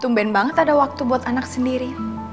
tuban banget ada waktu buat anak sendiri